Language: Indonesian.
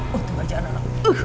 waktu aja anak lo